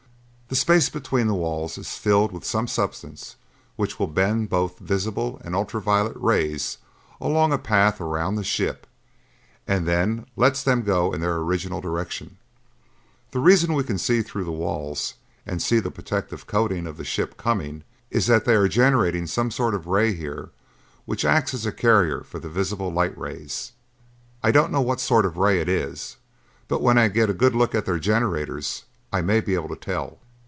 The space between the walls is filled with some substance which will bend both visible and ultra violet rays along a path around the ship and then lets them go in their original direction. The reason why we can see through the walls and see the protective coating of that ship coming is that they are generating some sort of a ray here which acts as a carrier for the visible light rays. I don't know what sort of a ray it is, but when I get a good look at their generators, I may be able to tell.